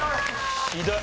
ひどい。